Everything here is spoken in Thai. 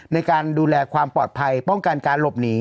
ในการดูแลความปลอดภัยป้องกันการหลบหนี